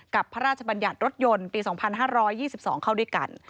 พระราชบัญญัติรถยนต์ปี๒๕๒๒เข้าด้วยกัน